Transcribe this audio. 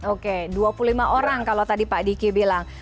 oke dua puluh lima orang kalau tadi pak diki bilang